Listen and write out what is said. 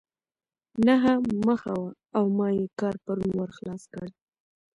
نهه مخه وه او ما ئې کار پرون ور خلاص کړ.